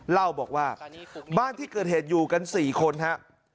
เล่าบอกว่าบ้านที่เกิดเหตุอยู่กัน๔คนครับ